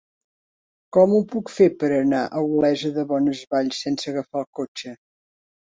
Com ho puc fer per anar a Olesa de Bonesvalls sense agafar el cotxe?